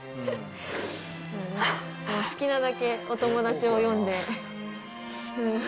好きなだけお友達を呼んで。